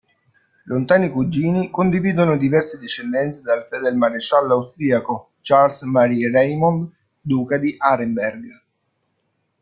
Lontani cugini, condividono diverse discendenze dal feldmaresciallo austriaco Charles Marie Raymond, Duca di Arenberg.